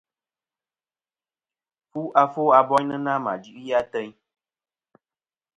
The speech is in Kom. Fu afo a boynɨnɨ-a ma duʼi ateyn.